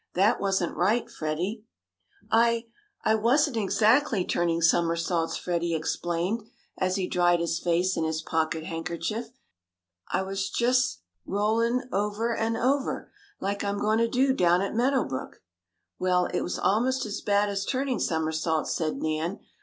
"That wasn't right, Freddie." "I I wasn't exactly turning somersaults," Freddie explained, as he dried his face in his pocket handkerchief. "I was jest rollin' over an' over, like I'm goin' to do down at Meadow Brook." "Well, it was almost as bad as turning somersaults," said Nan.